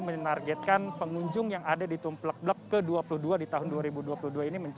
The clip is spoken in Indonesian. menargetkan pengunjung yang ada di tumplek blek ke dua puluh dua di tahun dua ribu dua puluh dua ini